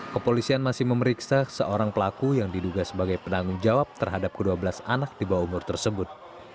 kepolisian masih memeriksa seorang pelaku yang diduga sebagai penanggung jawab terhadap ke dua belas anak di bawah umur tersebut